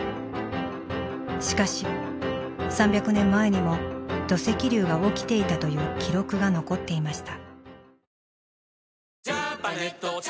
しかし３００年前にも土石流が起きていたという記録が残っていました。